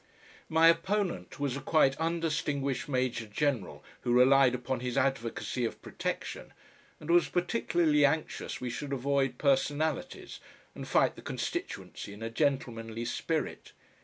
My opponent was a quite undistinguished Major General who relied upon his advocacy of Protection, and was particularly anxious we should avoid "personalities" and fight the constituency in a gentlemanly spirit.